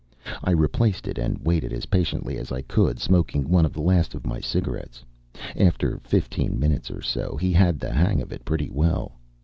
I replaced it and waited, as patiently as I could, smoking one of the last of my cigarettes. After fifteen minutes or so, he had the hang of it pretty well.